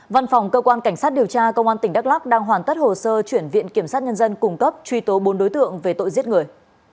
văn phòng cơ quan cảnh sát điều tra công an tỉnh đắk lắc đang hoàn tất hồ sơ chuyển viện kiểm sát nhân dân cung cấp truy tố bốn đối tượng về tội giết người